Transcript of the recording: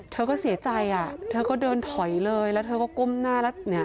เธอก็เสียใจเธอก็เดินถอยเลยแล้วเธอก็กุ้มหน้า